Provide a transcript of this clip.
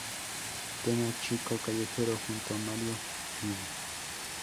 Tema: Chico Callejero, junto a Mario Ian.